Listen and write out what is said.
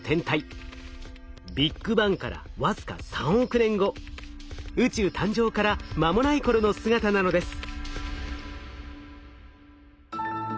ビッグバンから僅か３億年後宇宙誕生から間もない頃の姿なのです。